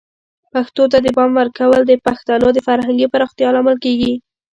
پښتو ته د پام ورکول د پښتنو د فرهنګي پراختیا لامل کیږي.